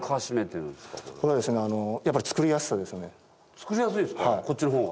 作りやすいですかこっちの方が？